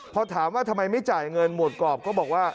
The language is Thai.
พอถามว่าทำไมไม่จ่ายเงินหวดกรอบก็บอกว่า